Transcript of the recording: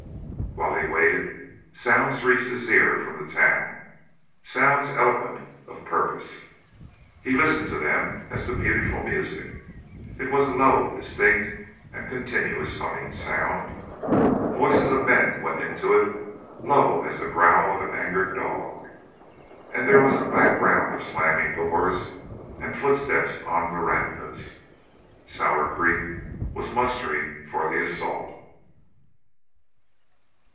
While he waited, sounds reached his ear from the town, sounds eloquent of purpose. He listened to them as to beautiful music. It was a low, distinct, and continuous humming sound. Voices of men went into it, low as the growl of an angered dog, and there was a background of slamming doors, and footsteps on verandas. Sour Creek was mustering for the assault.